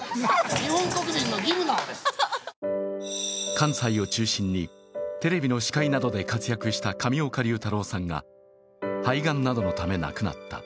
関西を中心にテレビの司会などで活躍した上岡龍太郎さんが肺がんなどのため亡くなった。